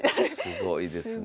すごいですねえ。